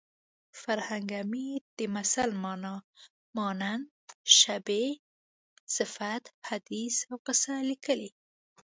فرهنګ عمید د مثل مانا مانند شبیه صفت حدیث او قصه لیکلې